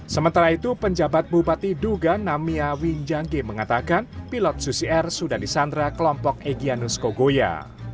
sementara itu penjabat bupati duga namia winjangge mengatakan pilot susi air sudah disandra kelompok egyanus kogoya